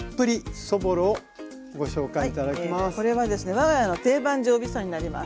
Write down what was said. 我が家の定番常備菜になります。